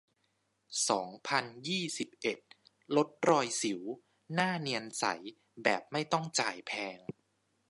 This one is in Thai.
สองพันยี่สิบเอ็ด ลดรอยสิว หน้าเนียนใส แบบไม่ต้องจ่ายแพง